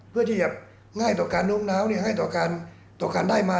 เพื่อจะยับง่ายต่อการน้องน้าวง่ายต่อการได้มา